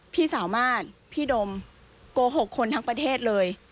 พี่สามารถพี่ดมโกหกคนทั้งประเทศเลย